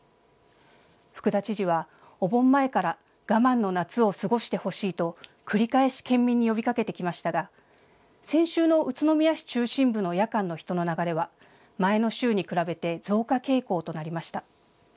福田知事はお盆前から我慢の夏を過ごしてほしいと繰り返し県民に呼びかけてきましたが先週の宇都宮市中心部の夜間の人の流れは前の週に比べて増加傾向となりました。